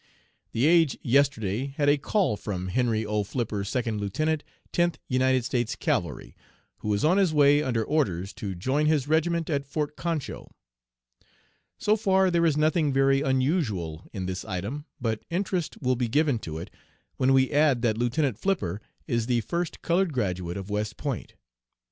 "The Age yesterday had a call from Henry O. Flipper second lieutenant Tenth United States Cavalry, who is on his way under orders to join his regiment at Fort Concho. So far there is nothing very unusual in this item, but interest will be given to it when we add that Lieutenant Flipper is the first colored graduate of West Point.